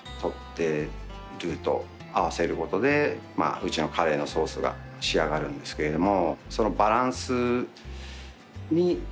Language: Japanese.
うちのカレーのソースが仕上がるんですけれども。